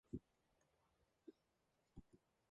Яах л учиртай байна түүгээрээ бол.